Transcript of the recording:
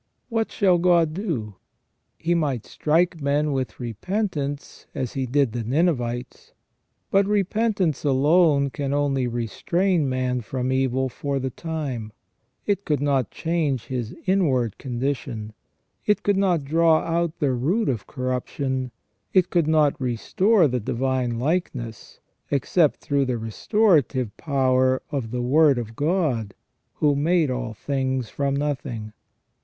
What shall God do ? He might strike men with repentance as He did the Ninevites, but repentance alone can only restrain man from evil for the time : it could not change his inward condition ; it could not draw out the root of corruption ; it could not restore the divine likeness, except through the restorative power of the Word of God, who made all things from nothing.